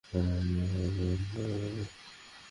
তুমি কি আমাকে নির্বোধ পাইয়াছ!